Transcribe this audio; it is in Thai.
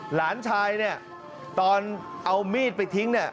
หลานชายเนี่ยตอนเอามีดไปทิ้งเนี่ย